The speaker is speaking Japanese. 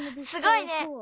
すごいね！